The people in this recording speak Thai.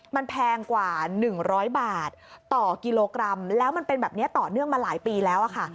มันแพงกว่า๑๐๐บาทต่อกิโลกรัมแล้วมันเป็นแบบนี้ต่อเนื่องมาหลายปีแล้วค่ะ